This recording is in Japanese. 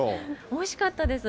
おいしかったです。